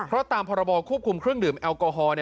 เพราะตามพรบควบคุมเครื่องดื่มแอลกอฮอล์